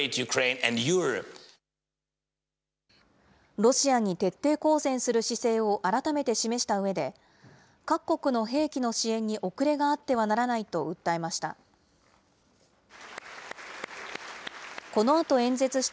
ロシアに徹底抗戦する姿勢を改めて示したうえで、各国の兵器の支援に遅れがあってはならないと訴えました。